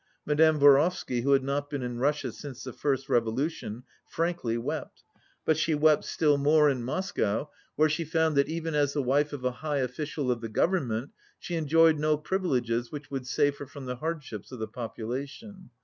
Madame Vorovsky, who had not been in Russia since the firsit revolution, frankly wept, but she wept still 6 more in Moscow where she found that even as the wife of a high official of the Groverament she en joyed no privileges which would save her from the hardships of the population.